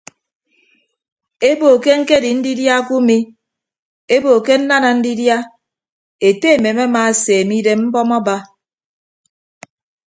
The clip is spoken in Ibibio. Ebo ke ñkedi ndidia kumi ebo ke nnana ndidia ete emem amaaseeme idem mbọm aba.